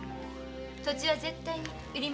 土地は絶対に売りません〕